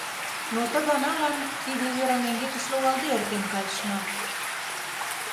Но ты ганалан тиде верым эҥгекыш логалде эртен кайышна.